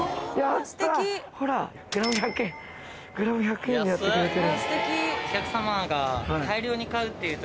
ほらグラム１００円でやってくれてる。